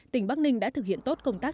tỉnh bắc ninh đã thực hiện tốt công tác